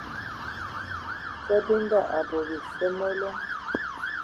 Kabinda a bɔ bisye ya mbomolan.